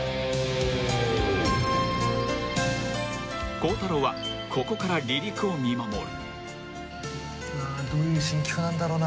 ［孝太郎はここから離陸を見守る］